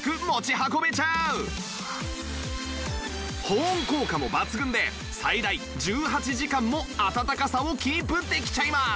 保温効果も抜群で最大１８時間も温かさをキープできちゃいます